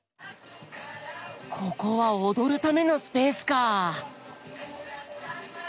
ここは踊るためのスペースか！